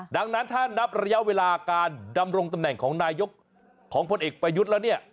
ดังนั้นถ้านับระยะเวลาการดำรงตำแหน่งของนายกของพลเอกประยุทธ์แล้วเนี่ย